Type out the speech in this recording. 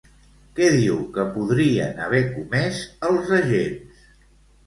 Què diu que podrien haver comès els agents?